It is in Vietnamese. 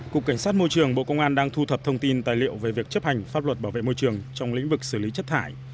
cục cảnh sát môi trường bộ công an đang thu thập thông tin tài liệu về việc chấp hành pháp luật bảo vệ môi trường trong lĩnh vực xử lý chất thải